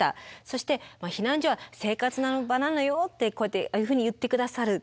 そして「避難所は生活の場なのよ」ってこうやってああいうふうに言って下さる。